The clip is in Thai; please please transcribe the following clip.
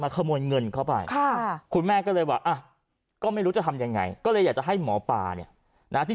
ขโมยเงินเข้าไปคุณแม่ก็เลยว่าก็ไม่รู้จะทำยังไงก็เลยอยากจะให้หมอปลาเนี่ยนะที่